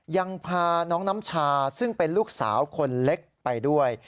ยังพาน้องน้ำชาซึ่งเป็นลูกสาวคนเล็กไปด้วย